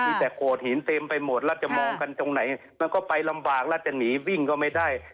มีแต่โขดหินเต็มไปหมดแล้วจะมองกันตรงไหนมันก็ไปลำบากแล้วจะหนีวิ่งก็ไม่ได้